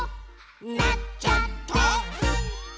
「なっちゃった！」